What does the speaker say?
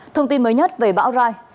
thông tin mới nhất về bão rai